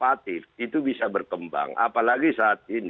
yaitu yang saya agak mengingatkan